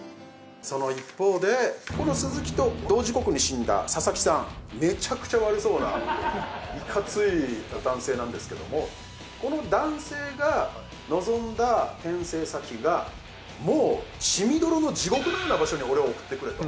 その一方で、この鈴木と同時刻に死んだ佐々木さん、めちゃくちゃ悪そうな、いかつい男性なんですけども、この男性が望んだ転生先が、もう血みどろの地獄のような場所に俺を送ってくれと。